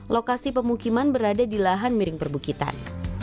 lokasi pemukiman berada di lahan miring perbukitan